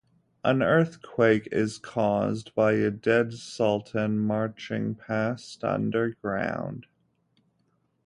An earthquake is caused by a dead sultan marching past underground.